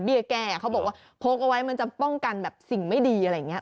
แก้เขาบอกว่าพกเอาไว้มันจะป้องกันแบบสิ่งไม่ดีอะไรอย่างนี้